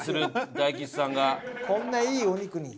こんないいお肉に。